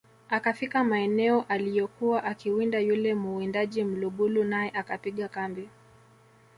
akafika maeneo aliyokuwa akiwinda yule muwindaji Mlugulu nae akapiga kambi